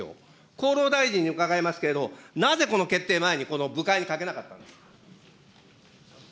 厚労大臣に伺いますけれども、なぜ、この決定前に、この部会にかけなかったのか。